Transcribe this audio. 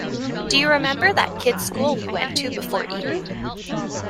Do you remember that kids' school we went to before Eton?